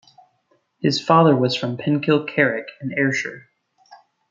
His father was from Penkill, Carrick, in Ayrshire.